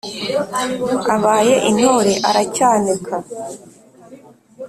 abaye intore aracyaneka !".